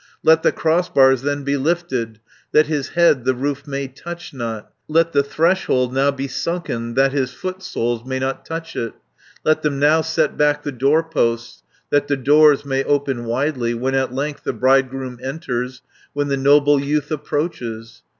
"Let the crossbars then be lifted, That his head the roof may touch not, Let the threshold now be sunken, That his footsoles may not touch it, 140 Let them now set back the doorposts, That the doors may open widely, When at length the bridegroom enters, When the noble youth approaches.